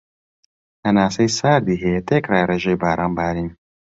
هەناسەی ساردی هەیە تێکرای رێژەی باران بارین